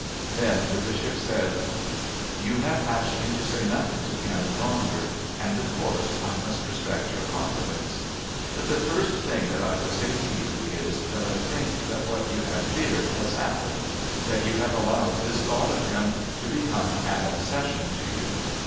Then the Bishop said: "You have asked me to say nothing to Canon Ronder, and of course I must respect your confidence. But the first thing that I would say to you is that I think that what you feared has happened that you have allowed this thought of him to become an obsession to you.